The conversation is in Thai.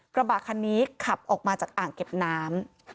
กระบะคันนี้ขับออกมาจากอ่างเก็บน้ำ